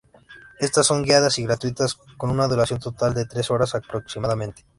Estas son guiadas y gratuitas con una duración total de tres horas, aproximadamente.